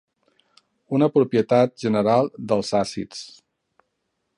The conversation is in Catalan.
Una propietat general dels àcids.